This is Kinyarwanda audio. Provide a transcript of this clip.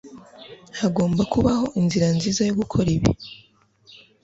Hagomba kubaho inzira nziza yo gukora ibi.